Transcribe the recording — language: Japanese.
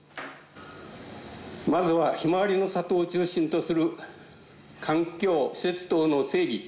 まずはひまわりの里を中心とする環境施設等の整備。